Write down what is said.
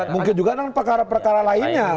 mungkin juga dengan perkara perkara lainnya